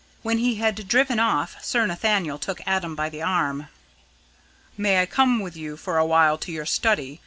When he had driven off, Sir Nathaniel took Adam by the arm. "May I come with you for a while to your study?